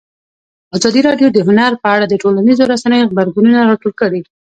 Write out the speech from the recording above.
ازادي راډیو د هنر په اړه د ټولنیزو رسنیو غبرګونونه راټول کړي.